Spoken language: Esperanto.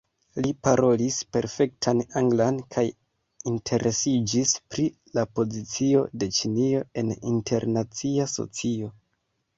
Li parolis perfektan anglan kaj interesiĝis pri la pozicio de Ĉinio en internacia socio.